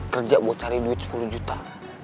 kerja buat cari duit sepuluh juta